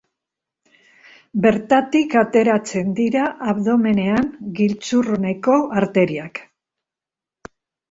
Bertatik ateratzen dira abdomenean giltzurruneko arteriak.